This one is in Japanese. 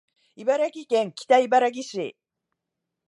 茨城県北茨城市